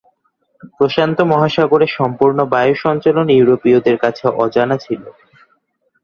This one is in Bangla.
প্রশান্ত মহাসাগরের সম্পূর্ণ বায়ু সঞ্চালন ইউরোপীয়দের কাছে অজানা ছিল।